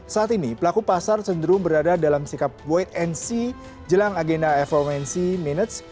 saat ini pelaku pasar cenderung berada dalam sikap wait and see jelang agenda fomc minutes